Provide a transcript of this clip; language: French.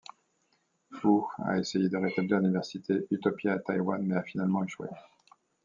Hu a essayé de rétablir l'université Utopia à Taïwan, mais a finalement échoué.